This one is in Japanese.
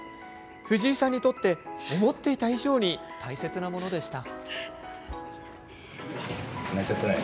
藤井さんにとって思っていた以上に大切なものでした。